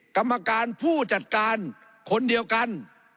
กรรมการผู้จัดการคนเดียวกัน